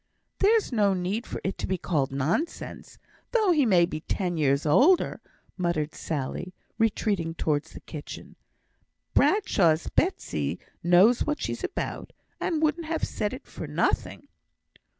"There's no need for it to be called nonsense, though he may be ten year older," muttered Sally, retreating towards the kitchen. "Bradshaw's Betsy knows what she's about, and wouldn't have said it for nothing."